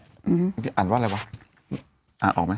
อ่านว่าอะไรวะอ่านออกไหม